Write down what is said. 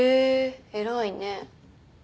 偉いね。